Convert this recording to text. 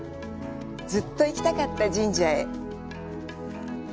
ずっと行きたかった神社へ。